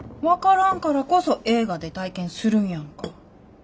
分からんからこそ映画で体験するんやんか。